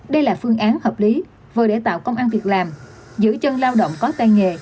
đây là phương án hợp lý vừa để tạo công an việc làm giữ chân lao động có tay nghề